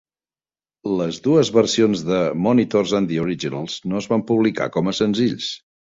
Les dues versions de Monitors and the Originals no es van publicar com a senzills.